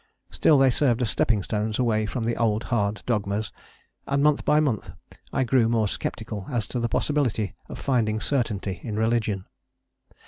Still they served as stepping stones away from the old hard dogmas, and month by month I grew more sceptical as to the possibility of finding certainty in religion.